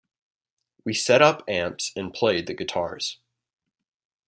We set up amps and played the guitars.